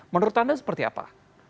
menurut anda seperti apa